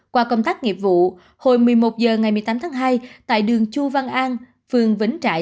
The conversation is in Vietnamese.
qua công tác nghiệp vụ hồi một mươi một h ngày một mươi tám tháng hai tại đường chu văn an phường vĩnh trại